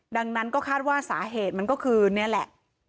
ดังนั้นก็คาดว่าสาเหตุมันก็คือนี่แหละ